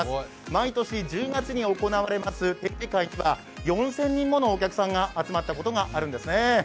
毎年１０月に行われます展示会には４０００人ものお客さんが集まったこともあるんですね。